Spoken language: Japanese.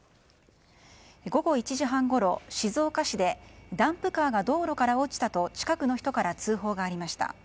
午後１時半ごろ、静岡市でダンプカーが道路から落ちたと近くの人から通報がありました。